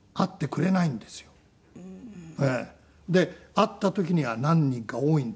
会った時には何人か多いんですよ。